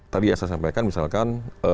tadi saya sampaikan misalkan